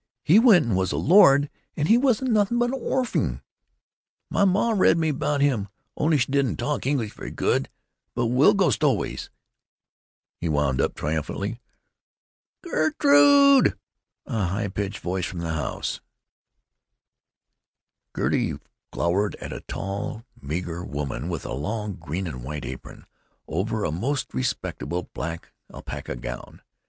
He went and was a lord, and he wasn't nothing but a' orphing. My ma read me about him, only she don't talk English very good, but we'll go stow'ways," he wound up, triumphantly. "Gerrrrrrtrrrrrude!" A high pitched voice from the stoop. Gertie glowered at a tall, meager woman with a long green and white apron over a most respectable black alpaca gown.